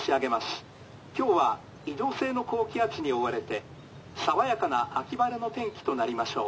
今日は移動性の高気圧に覆われて爽やかな秋晴れの天気となりましょう」。